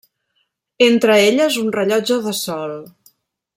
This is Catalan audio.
Entre elles un rellotge de sol.